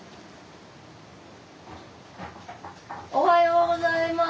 ・おはようございます。